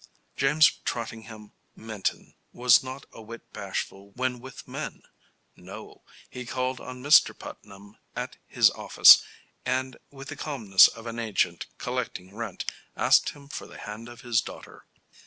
James Trottingham Minton was not a whit bashful when with men. No. He called on Mr. Putnam at his office, and with the calmness of an agent collecting rent, asked him for the hand of his daughter.